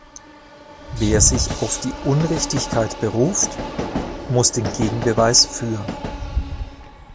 Wer sich auf die Unrichtigkeit beruft, muss den Gegenbeweis führen.